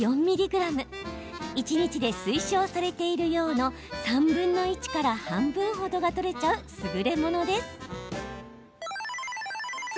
一日で推奨されている量の３分の１から半分程がとれちゃう、すぐれものです。